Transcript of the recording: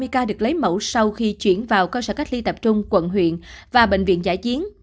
một trăm ba mươi ca được lấy mẫu sau khi chuyển vào cơ sở cách ly tập trung quận huyện và bệnh viện giải chiến